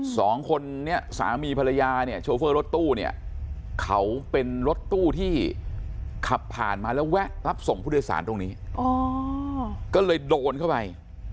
สองคนนี้สามีภรรยาโชเฟอร์รถตู้เขาเป็นรถตู้ที่ขับผ่านมาแล้วแวะรับส่งผู้โดยสารตรงนี้